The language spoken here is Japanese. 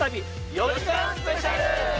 ４時間スペシャル！